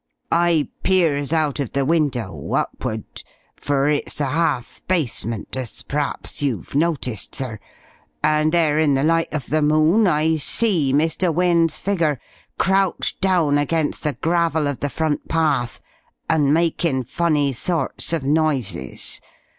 I peers out of the window, upward for it's a half basement, as perhaps you've noticed, sir and there, in the light of the moon, I see Mr. Wynne's figure, crouched down against the gravel of the front path, and makin' funny sorts of noises.